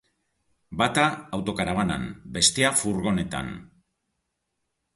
Bata autokarabanan bestea furgonetan.